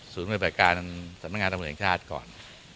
ศูนย์บริษัทการสำนักงานธรรมชาติก่อน